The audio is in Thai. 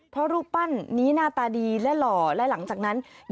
เพราะรูปปั้นนี้หน้าตาดีและหล่อและหลังจากนั้น